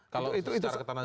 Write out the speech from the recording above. kalau secara ketentangan